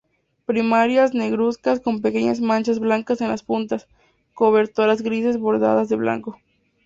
Primarias negruzcas con pequeñas manchas blancas en las puntas; cobertoras grises bordeadas de blanco.